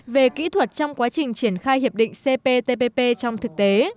về kỹ thuật trong quá trình triển khai hiệp định cptpp trong thực tế